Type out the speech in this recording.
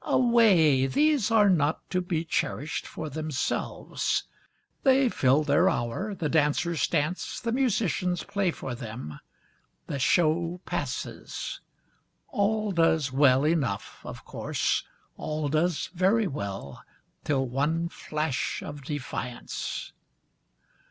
Away! these are not to be cherish'd for themselves, They fill their hour, the dancers dance, the musicians play for them, The show passes, all does well enough of course, All does very well till one flash of defiance.